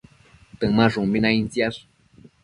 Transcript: Temashumbi naidtsiash